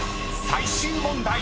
最終問題］